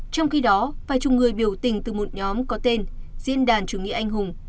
trong khi đó vài chục người biểu tình từ một nhóm có tên diễn đàn chủ nghĩa anh hùng